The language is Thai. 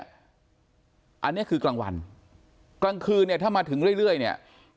อันนี้คือกลางวันกลางคืนเนี่ยถ้ามาถึงเรื่อยเนี่ย